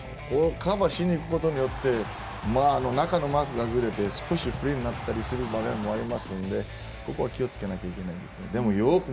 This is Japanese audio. カバーしにいくことによって中のマークが、ずれて少しフリーになったりする場面もありますのでここは気をつけなきゃいけないですね。